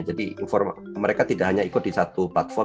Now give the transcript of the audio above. jadi mereka tidak hanya ikut di satu platform